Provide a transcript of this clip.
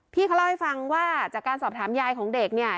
พี่เขาเล่าให้ฟังว่าจากการสอบถามยายของเด็กเนี่ย